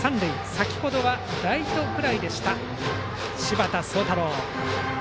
先程はライトフライだった柴田壮太朗。